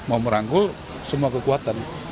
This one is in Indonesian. mau merangkul semua kekuatan